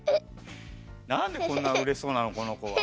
なんでこんなうれしそうなのこのこは。